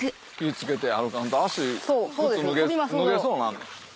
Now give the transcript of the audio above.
付けて歩かんと靴脱げそうなる。